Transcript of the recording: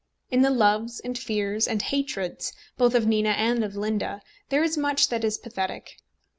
In the loves, and fears, and hatreds, both of Nina and of Linda, there is much that is pathetic.